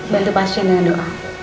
bantu pasien dengan doa